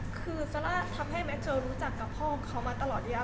คือซัลล่าทำให้แม็กเซลรู้จักกับพ่อเขามาตลอดเดียว